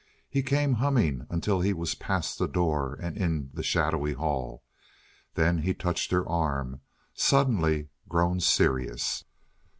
He came humming until he was past the door and in the shadowy hall. Then he touched her arm, suddenly grown serious.